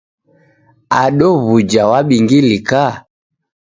Ado w'uja wabingilika?